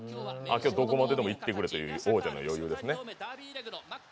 どこまででも行ってくれという王者の余裕ですね。